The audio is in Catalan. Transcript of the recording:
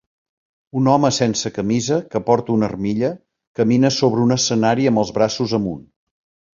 Un home sense camisa que porta una armilla camina sobre un escenari amb els braços amunt.